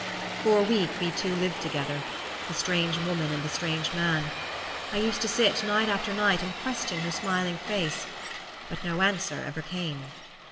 "For a week we two lived together the strange woman and the strange man. I used to sit night after night and question her smiling face; but no answer ever came.